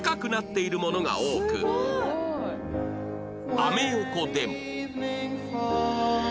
アメ横でも